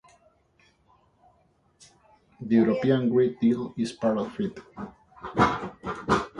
The European Green Deal is part of it.